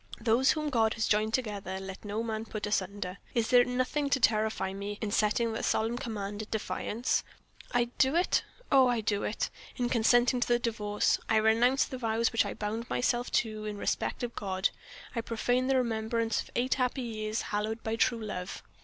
Those whom God has joined together, let no man put asunder. Is there nothing to terrify me in setting that solemn command at defiance? I do it oh, I do it in consenting to the Divorce! I renounce the vows which I bound myself to respect in the presence of God; I profane the remembrance of eight happy years, hallowed by true love.